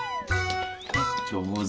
じょうず。